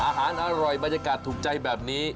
อาหารอร่อยบรรยากาศถูกใจแบบนี้